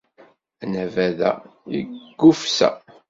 Anabaḍ-a yeggufsa.